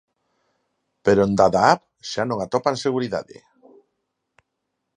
Pero en Dadaab xa non atopan seguridade.